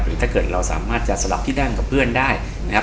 ถ้าเกิดเราสามารถจะสลับที่นั่งกับเพื่อนได้นะครับ